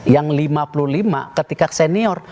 yang lima puluh lima ketika senior